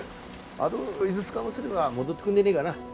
あど１時間もすれば戻ってくんでねえがな。